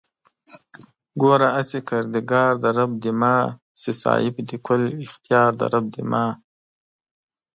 گوره هسې کردگار دئ رب زما چې صاحب د کُل اختيار دئ رب زما